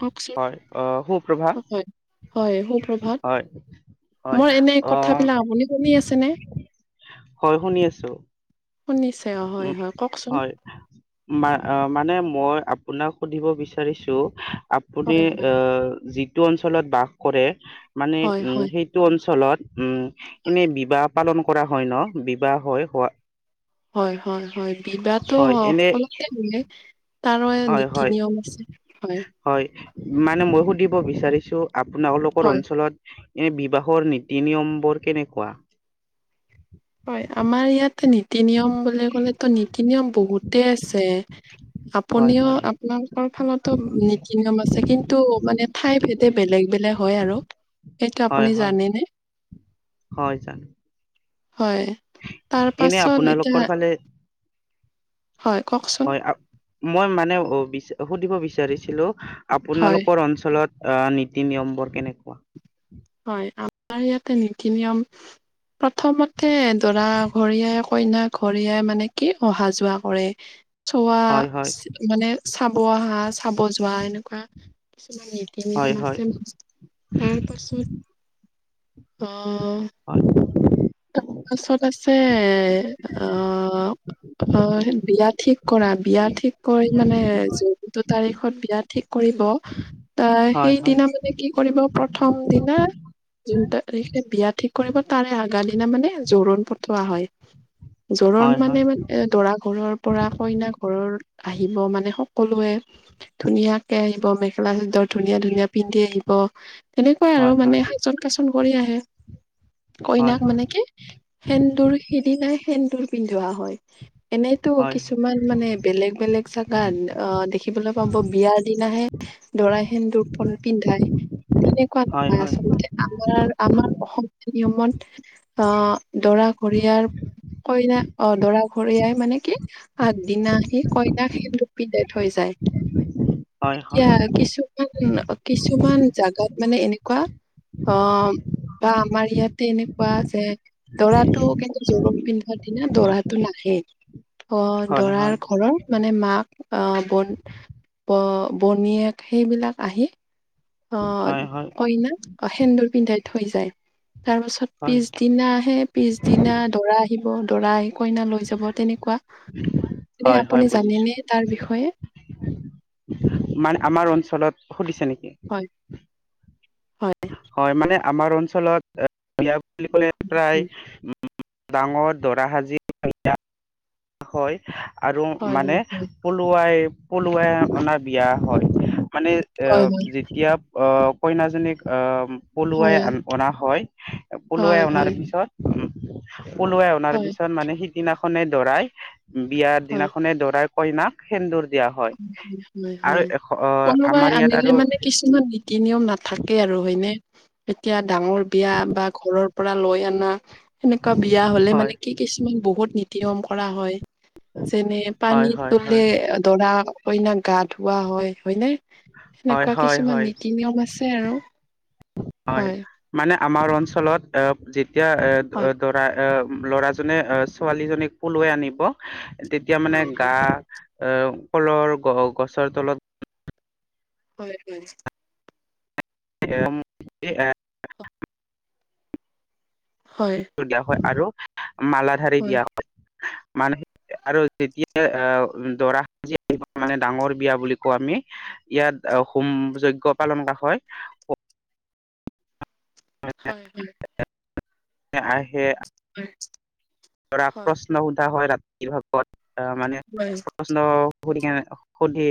ককচোন হয় আহ সুপ্ৰভা হয় হয় সুপ্ৰভাত। হয় হয় মই এনে আহ কথাবিলাক আমনি বনি আছেনে? হয় শুনি আছো। শুনিছে অ' হয়, উম হয় কওকচোন। হয় মা আ মানে মই আপোনাক সুধিব বিচাৰিছো আপুনি হয়, অ হয়, যি যিটো অঞ্চলত বাস কৰে মানে হয়, উম হয়, সেইটো অঞ্চলত উম এনেই বিবাহ পালন কৰা হয় ন বিবাহ হয় হোৱা হয় হয় হয় বিবাহটো হয় এনে সলতে বে তাৰো হয় নীতি হয় নিয়ম আছে হয় মানে মই সুধিব বিচাৰিছো আপোনালোকৰ হয়। অঞ্চলত এনে বিবাহৰ নীতি নিয়মবোৰ কেনেকুৱা হয়, আমাৰ ইয়াতে বহুতেই আছে হয় আপুনিও হয় আপোনালোকৰ ফালতো নীতি নিয়ম আছে কিন্তু মানে ঠাই ভেদে বেলেগ বেগ হয় আৰু সেইটো হয় আপুনি হয় জানেনে? হয় জান হয় তাৰ পাছত আপোনালোকৰ এতিয়া ফালে হয় কওকচোন হয় আ- মই মানে অ বিচ সুধিব বিচাৰিছিলো হয়। আপোনালোকৰ অঞ্চলত অ নীতি নিয়ম বোৰ কেনেকুৱা হয় আমাৰ ইয়াতে নীতি নিয়ম প্ৰথমতে দৰা ঘৰিয়াই কইনা ঘৰিয়াই মানে কি অহা যোৱা কৰে চোৱা হয় হয় মানে চা অহা চাব যোৱা এনেকুৱা কিছুমান নীতি হয় নিয়ম হয় আছে ফাৰ্ষ্টত তাৰ পাছত অহ হয় পাছত আছে অহ অ হে বিলা ঠিক কৰা বিয়া ঠিক কৰি মানে যিটো তাৰিখত বিয়া ঠিক কৰি ত হয় হয় সেইদিনা মানে কি কৰিব প্ৰথম দিনা যোন তাৰিখে বিয়া ঠিক কৰিব তাৰে আগাৰ দিনা মানে জোৰোণ পঠোৱা হয় জোৰণ হয় মানে দৰা ঘৰৰ পৰা কইনা ঘৰৰ আহিব মানে সক সকলোৱে ধুনীয়াকে আহিব মেখেলা চাদৰ ধুনীয়া ধুনীয়া পিন্ধি আহিব তেনেকুৱাই আৰু হয় হয় মানে সাজুন কাচুন কৰি আহে হয় কইনাক হয়। মানে কি সেন্দুৰ সিদিনাই সেন্দুৰ পিন্ধোৱা হয় এনেইতো হয় কিছুমান মানে বেলেগ বেলেগ জাগাত আ দেখিবলৈ পাব বিয়াৰ দিনাহে দৰাই সেন্দুৰ পু পিন্ধাই তেনেকুৱা হয় নহয় হয় আচলতে আমাৰ আমাৰ অসমীয়া নিয়মত আহ দৰা ঘৰিয়াৰ কইনা অ দৰা ঘৰয়াই মানে কি আগদিনা সি কইনাক সেন্দুপিে থৈ যায় [unintelligible] এতিয়া হয় কিছুমান কিছুমান জাগাত মানে এনেকুৱা অ বা আমাৰ ইয়াত তেনেকুৱা যে দৰাতটো কিন্তু জোৰণ পিন্ধাৰ দিনা দৰাতটো নাহেই। অ হয় হয় দৰাৰ ঘৰৰ। মানে মাক আহ বন বনীয়েক সেইবিলাক আহি আহ হয় হয় কইনা সেন্দুৰ পিন্ধাই থৈ যায় তাৰপাছত হয় পিছদিনা আহে পিছদিনা দৰা আহিব দৰা কইনা লৈ যাব তেনেকুৱা এ হয় হয় আপুনি বুজিছো জানেনে তাৰ বিষয়ে? মানে আমাৰ অঞ্চলত সুধিছে নেকি? হয়, হয়, হয় মানে আমাৰ অঞ্চলত বুলি কলে প্ৰায় ডাঙৰ দৰা সাজি হয় আৰু হয়, হয়, মানে হয়, পলুৱাই পলুৱাই অনা বিয়া হয়। মানে এ হয়, হয়, যেতিয়া অ কইনাজনীক আহ পলুৱাই হয়, অনা হয়। পলুৱাই হয়, অনাৰ পিছত পলুৱাই অনাৰ হয়, পিছত মানে সিদিনাখনে ধৰাই বিয়াৰ হয়, দিনাখনে দৰাই কইনাক সেন্দুৰ দিয়া হয় হয় আৰু হয়। এ পলুৱাই আমাৰ ইয়াত আনিলে আৰু মানে কিছুমান নীতি নিয়ম নাথাকে আৰু হয়নে? এতিয়া ডাঙৰ বিয়া বা ঘৰৰ পৰা লৈ অনা সেনেকুৱা বিয়া হলে মানে হয় কি কিছুমান বহুত নীতি নিয়ম কৰা হয়। যেনে হয় পানীত হয় তলে হয় দৰা কইনাক গা ধুওৱা হয় হয়নে? হয় সেনেকুৱা হয় কিছুমান হয় নীতি-নিয়ম আছে আৰু, হয় আমাৰ অঞ্চলত যেতিয়া হয়, দৰা ল'ৰাজনে ছোৱালীজনীক পলোৱাই আনিব তেতিয়া মানে হয়, হয়, গা এ কলৰ গছৰ তলত হয় হয়। [unintelligible] হয়, হয় আৰু মালা ধাৰি হয়, দিয়া হয়। মানে আৰু যেতিয়া আহ দৰা সাজি আহিব মানে ডাঙৰ বিয়া বুলি কোৱা আমি ইয়াত আহ হোম-যজ্ঞ পালন কৰা হয়। হয় হয়। আহে হয়। ধৰা প্ৰশ্ন সোধা হয় ৰাতি ভাগত, আহ মানে হয়, প্ৰশ্ন সুধিকেনে, সুধি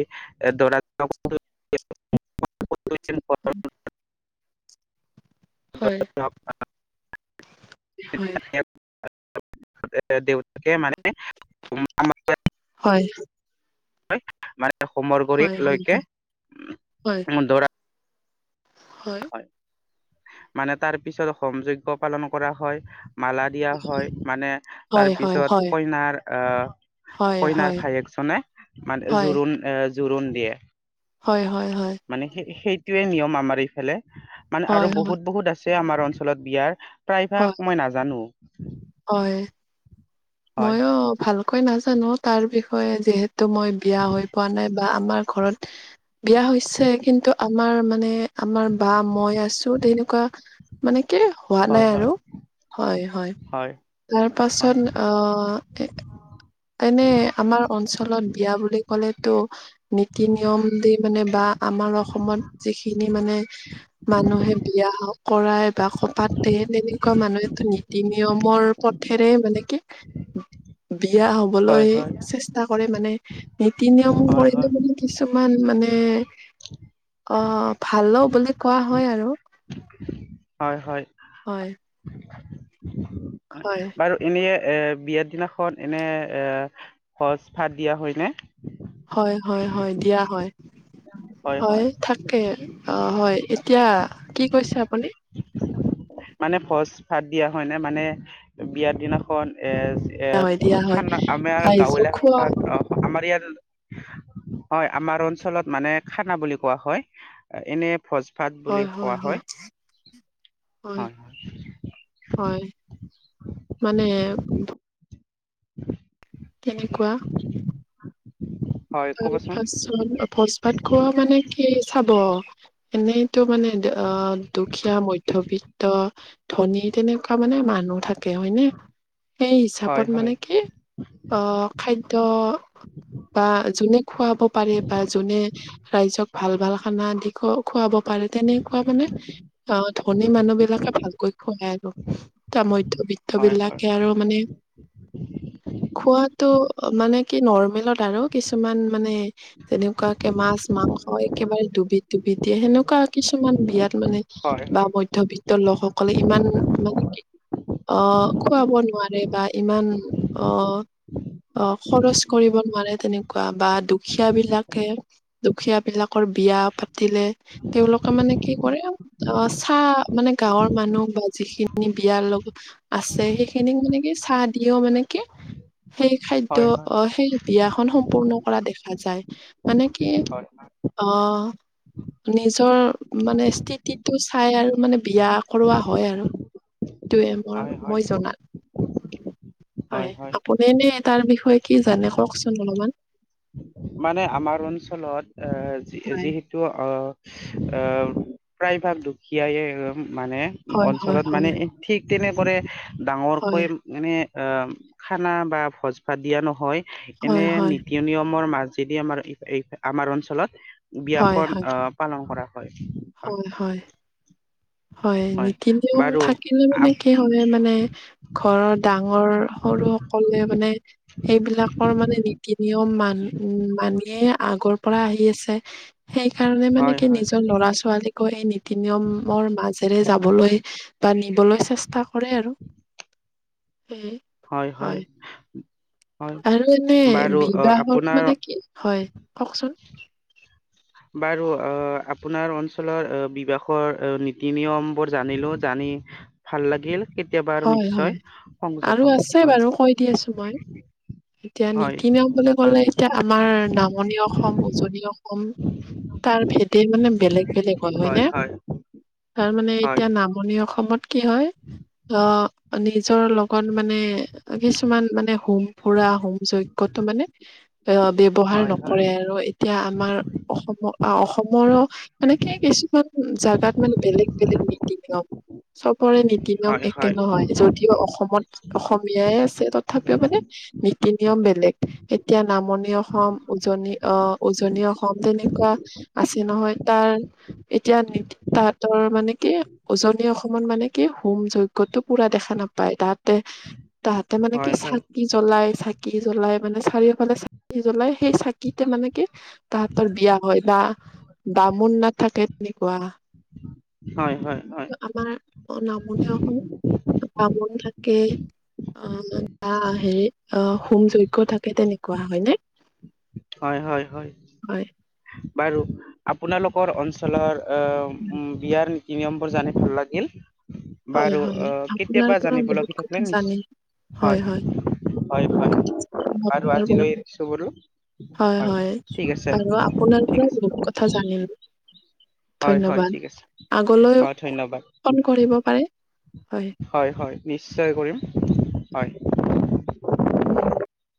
দৰাটো [unintelligible] [unintelligible] হয়। হয়, [unintelligible] [unintelligible] দেউতাকে মানে [unintelligible] হয়। হৈ মানে হোমৰ গুৰি হয়, হয়, লৈকে, হয়। দৰা হয়। মানে তাৰ পিছত হোম যজ্ঞ পালন কৰা হয়। মালা দিয়া হয়, মানে তাৰ হয়, হয়, পিছত হয়, কইনাৰ আহ হয়, কইনাৰ হয়, ভায়েকজনে হয়, হয়, মানে হয়। জোৰোণ এ জোৰোণ দিয়ে। হয়, হয়, মানে সেই সেইটোয়ে নিয়ম আমাৰ এইফালে, মানে হয়, আৰু বহুত বহুত আছে ছে, আমাৰ অঞ্চলত বিয়াৰ, প্ৰায় ভাগ মই নাজানো হয়। হয় ময়ো ভালকৈ নাজানো তাৰ বিষয়ে, যিহেতু মই বিয়া হৈ পোৱা নাই। বা আমাৰ ঘৰত বিয়া হৈছে কিন্তু আমাৰ মানে আমাৰ বা মই আছো তেনেকুৱা মানে। কে, হোৱা নাই হয় আৰু হয় হয় হয় তাৰ পাছত হয় অ' এনে আমাৰ অঞ্চলত বিয়া বুলি ক'লেতো নীতি-নিয়ম দি মানে বা আমাৰ অসমত যিখিনি মানে মানুহে বিয়া কৰায় বা পাতে তেনেকুৱা মানুহো খিনিয়ে নীতি-নিয়ম নিয়মৰ পথেৰে মানে কি বিয়া হয় হবলৈঊ হয় চেষ্টা কৰে মানে। নীতি-নিয়ম বোৰ হয় হয় একদম মানে কিছুমান মানে অ ভালো বুলি কোৱা হয় আৰু। হয় হয়। হয় হয়, বাৰু এনে এ বিয়াৰ দিনাখন এনে সজ ভাত দিয়া হয়নে? হয় হয় হয় দিয়া হয় হয়, থাকে অ হয়। এতিয়া কি কৈছে আপুনি? মানে ভজ ভাত দিয়া হয় নে মানে বিয়াৰ দিনাখন? এ দিয়া হয় এ দিয়া হয় খানা আমাৰ গাঁৱলীয়া আইজোখোৱা ভাখাত আমাৰ ইয়াত হয় আমাৰ অঞ্চলত মানে খানা বুলি কোৱা হয়, এনে ভোজ ভাত বুলি কোৱা হয়। হয় হয়। হয়, মানে কেনেকুৱা? হয় ক'বচোন তাৰপাছত ভোজ ভাত খোৱা মানে কি চাব এনেইতো মানে অ দুখীয়া মধ্যবিত্ত ধনী তেনেকুৱা মানে মানুহ থাকে হয় ন সেই হয় হিচাপত হয় মানে কি অ খাদ্য বা যোনে খুৱাব পাৰে বা যোনে ৰাইজক ভাল ভাল খানা দি খ খুৱাব পাৰে তেনেকুৱা মানে আহ ধনী মানুহ বিলাকে ভালকৈ খুৱাই আৰু তামধ বৃদ্ধ বিলাকে আৰু মানে উ খোৱাতো মানে কি নৰ্মেলৰ দা কিছুমান মানে তেনেকুৱাকে মাছ মাংস একেবাৰে ডুবি ডুবি দিয়ে সেনেকুৱা কিছু। কিছুমান বিয়াত মানে হয় বা হয় মধ্যবিত্তৰ লোকসকলে ইমান মানে কি। আহ খুৱাব নোৱাৰে বা ইমান আহ। অ খৰচ কৰিব নোৱাৰে তেনেকুৱা বা দুখীয়া বিলাকে দুখীয়া বিলাকৰ বিয়া পাতিলে তেওঁলোকে মানে মে কি কৰে অ চাহ মানে গাঁৱৰ মানুহ বা যিখিনি বিয়াৰ লগত আছে। সেইখিনিক মানে কি চাহ দিও মানে কি সেই খাদ্য হয় হয় আহ সেই বিয়াখন সম্পূৰ্ণ কৰা দেখা যায়। মানে কি হয় অ নিজৰ মানে স্থিতিটো চাই আৰু মানে বিয়া কৰোৱা হয় আৰু উ তমৰ মই জনাল হয় আপুনি নে তাৰ বিষয়ে কি জানে কওকচোন অলপমান। মানে আমাৰ অঞ্চলত আহ হয় যিহেতু। আহ প্ৰায়ভাগ দুখীয়াই মানে হয় হয় অঞ্চলত মানে হয় ঠিক ঠিক তেনেদৰে হয় ডাঙৰকৈ মানে খানা বা ভোজ ভাত দিয়া নহয়। এনে হয় হয় নীতি নিয়মৰ মাজেদি আমাৰ আমাৰ অঞ্চলত। হয় বিয়াখন হয় পালন কৰা হয় হয় হয় হয় নীতি নিয়ম থাকিলে মানে আপ- কি হয় মানে ঘৰৰ ডাঙৰ সৰু সকলে মানে সেইবিলাকৰ মানে নীতি নিয়ম মান উ মানিয়ে আগৰ পৰা আহি আছে সেইকাৰণে মানে হয় কি হয় নিজৰ ল'ৰা ছোৱালী ছোৱালীকো এই নীতি নিয়মৰ মাজে যাবলৈ বা নিবলৈ চেষ্টা কৰে আৰু সেয়ে হয় হয় হয় আৰু এনে বাৰু আহ, বিবাহৰ আপোনাৰ মানে কি হয় কওকচোন বাৰু অ আপোনাৰ অঞ্চলৰ বিবাহৰ নীতি নিয়ম বোৰ জানিলো জান ভাল লাগিল কেতিয়াবা আৰু হয় নিশ্চয় হয় সংযোগ আৰু হম আছে হয় বাৰু কৈ দি আছো মই এতিয়া হয় নীতি নিয়ম বুলি ক'লে এতিয়া আমাৰ নামনি অসম উজনি অসম তাৰ ভেদে মানে বেলেগ বেলেগ হয় হয় নে হয় তাৰ মানে হয় এতিয়া নামনি অসমত কি হয় অ নিজৰ লগত মানে কিছুমান মানে হোম ফুৰা হোম যজ্ঞতটো মানে এ ব্যৱহাৰ হয় নকৰে আৰু এতিয়া আমাৰ অসমৰ অসমৰো মানকে কিছুমান জাগাত মানে বেলেগ বেলেগ নীতি নিয়ম চবৰে নীতি নিয়ম হয় হয় তাকে হয় নহয় যদিও অসমত অসমীয়াই আছে তথাপিও মানে তি নিয়ম বেলেগ এতিয়া নামনি অসম উজনি আহ উজনি অসম অসম তেনেকুৱা আছে নহয় তাৰ এতিয়া তাঁতৰ মানে কি উজনী অসমত মানে কি হোম যজ্ পুৰা দেখা নাপায় তাহতে তাহতে মানে কি হয় হয় হয় চাকি জ্বলাই চাকি জ্বলাই মানে চাৰিওফালে চাকি জ্বলাই সেই চাকিতে মানে কি তাহতৰ বিয়া হয় বা বামুণ নাথাকে তেনেকুৱা হয় আমাৰ নামনি অসম বামুণ থাকে। অ হেৰি হোম যজ্ঞ থাকে তেনেকুৱা। হয় নে? হয় বাৰু আপোনালোকৰ অঞ্চলৰ আ বিয়াৰ নিয়মবোৰ জানি লাগিল হয় বাৰু হয় অ আপোনাৰ কেতিয়াবা পৰা জানিব বহুত লাগি কথা থাকিলে জানে হয় হয় হয় আৰু আপোনাৰ পৰা আজিলৈ এৰিছোঁ বোলো হয় হয় আৰু আপোনাৰ ঠিক পৰা আছে বহুত কথা জানিম হয় হয় ধন্যবাদ ঠিক আছে আগলৈ হয় ধন্যবাদ কল কৰিব পাৰে হয় হয় নিশ্চয় কৰিম হয়